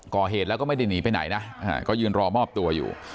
ก่อเหตุแล้วก็ไม่ได้หนีไปไหนนะก็ยืนรอมอบตัวอยู่